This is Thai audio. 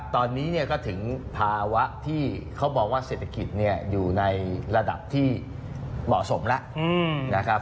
ตอนนี้เนี่ยก็ถึงภาวะที่เขาบอกว่าเศรษฐกิจอยู่ในระดับที่เหมาะสมแล้วนะครับ